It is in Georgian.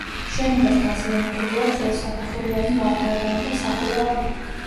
შენობას დაზიანებული აქვს ორსაფეხურიანი ლავგარდანი და სახურავი.